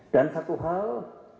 dan satu hal